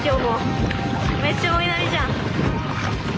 めっちゃ追い波じゃん。